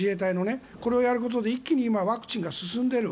これをやることで一気にワクチンが広がっている。